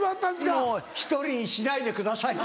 もう１人にしないでくださいと。